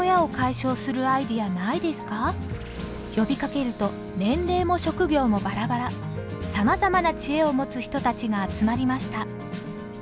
呼びかけると年齢も職業もバラバラさまざまなチエを持つ人たちが集まりました。